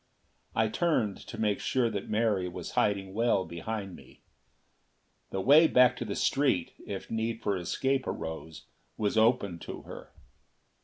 I turned to make sure that Mary was hiding well behind me. The way back to the street, if need for escape arose, was open to her.